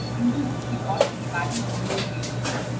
In June he fought in the Battle of Sole Bay.